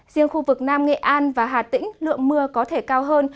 riêng khu vực nam nghệ an và hà tĩnh lượng mưa có thể cao hơn